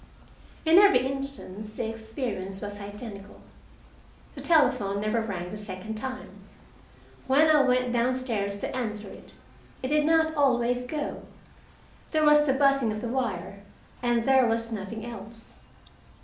In every instance the experience was identical. The telephone never rang the second time. When I went downstairs to answer it I did not always go there was the buzzing of the wire, and there was nothing else.